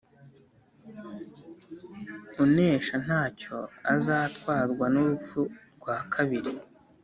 Unesha nta cyo azatwarwa n’urupfu rwa kabiri.